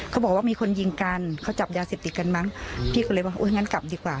เขาบอกว่ามีคนยิงกันเขาจับยาเสพติดกันมั้งพี่ก็เลยว่างั้นกลับดีกว่า